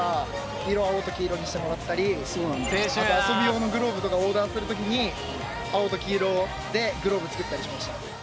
あと遊び用のグローブとかオーダーするときに青と黄色でグローブ作ったりしました。